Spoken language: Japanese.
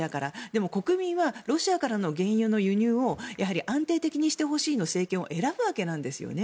でも国民はロシアからの原油の輸入をやはり安定的にしてほしくて政権を選ぶわけですね。